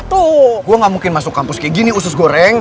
tuh gue gak mungkin masuk kampus kayak gini usus goreng